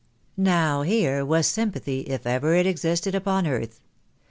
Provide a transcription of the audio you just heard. " Now, here was sympathy, if ever it existed upon earth.